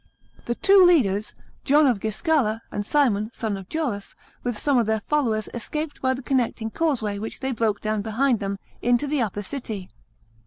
The two leaders, John of Giscala, and Simon, son of Gioras, with some of their followers, escaped by the connecting causeway which they broke down behind them, into the upper city.